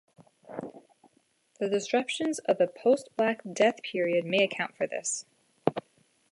The disruptions of the post-Black Death period may account for this.